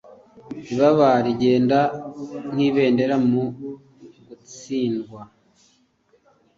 Ibaba rigenda nk'ibendera mu gutsindwa,